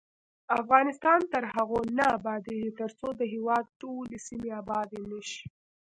افغانستان تر هغو نه ابادیږي، ترڅو د هیواد ټولې سیمې آبادې نه شي.